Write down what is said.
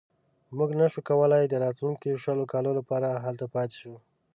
موږ نه شو کولای د راتلونکو شلو کالو لپاره هلته پاتې شو.